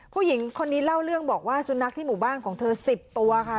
ผู้หญิงคนนี้เล่าเรื่องบอกว่าสุนัขที่หมู่บ้านของเธอ๑๐ตัวค่ะ